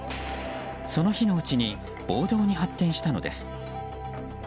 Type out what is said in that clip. その日のうちに暴動に発展したのです。